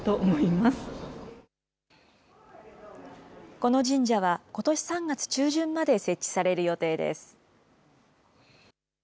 この神社は、ことし３月中旬まで設置される予定です。